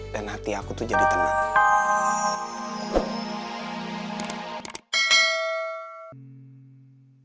dan nanti aku tuh jadi tenang